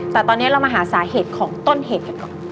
แต่ตอนนี้เรามาหาสาเหตุของต้นเหตุ